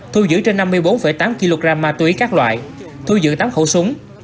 thu dữ trên năm mươi bốn tám kg ma túy các loại thu dữ tám khẩu súng